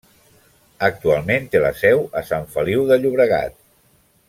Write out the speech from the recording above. Actualment té la seu a Sant Feliu de Llobregat.